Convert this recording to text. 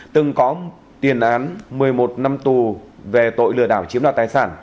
từng có tiền án một mươi một năm tù về tội lừa đảo chiếm đoạt tài sản